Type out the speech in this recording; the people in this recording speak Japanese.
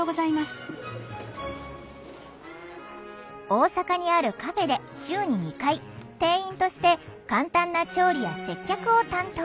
大阪にあるカフェで週に２回店員として簡単な調理や接客を担当。